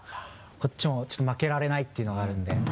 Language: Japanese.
こっちも負けられないっていうのがあるので。